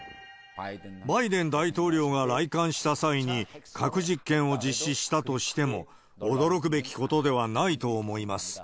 バイデン大統領が来韓した際に、核実験を実施したとしても、驚くべきことではないと思います。